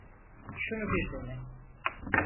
Şunu bir dene.